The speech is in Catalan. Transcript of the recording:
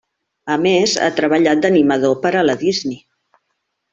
A més, ha treballat d'animador per a la Disney.